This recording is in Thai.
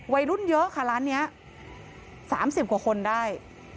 วัยรุ่นเยอะค่ะร้านนี้๓๐กว่าคนได้